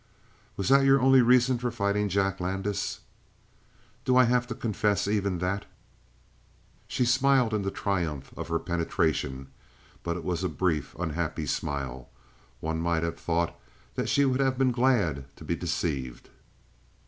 "Was that your only reason for fighting Jack Landis?" "Do I have to confess even that?" She smiled in the triumph of her penetration, but it was a brief, unhappy smile. One might have thought that she would have been glad to be deceived.